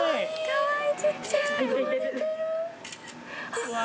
かわいい。